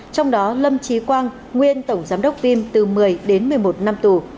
trong đó lâm trí quang nguyên tổng giám đốc vim từ một mươi đến một mươi một năm tù